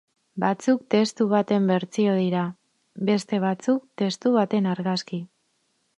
Batzuk testu baten bertsio dira, beste batzuk testu baten argazki.